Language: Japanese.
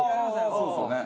そうですよね。